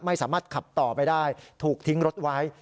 ไม่สามารถขับต่อไปได้ถูกทิ้งรถไว้